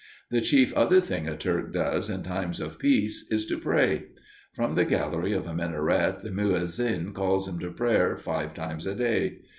The chief other thing a Turk does in times of peace is to pray. From the gallery of a minaret the muezzin calls him to prayer five times a day.